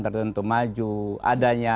tertentu maju adanya